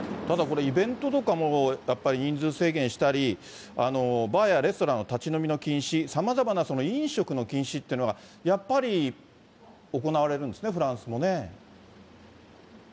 ただこれ、イベントとかもやっぱり人数制限したり、バーやレストランの立ち飲みの禁止、さまざまな飲食の禁止っていうのがやっぱり行われそうですね。